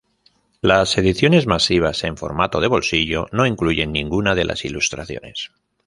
Las ediciones masivas en formato de bolsillo no incluyen ninguna de las ilustraciones.